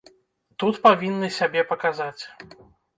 Тут павінны сябе паказаць.